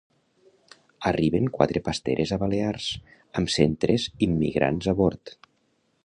Arriben quatre pasteres a Balears amb cent tres immigrants a bord.